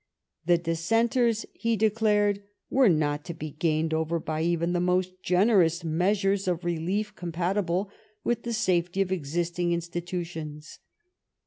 The Dissenters, he declared, were not to be gained over by even the most generous measures of relief com patible with the safety of existing institutions.